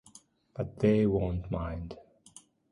But "they" won't mind.